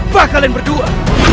bahkan kalian berdua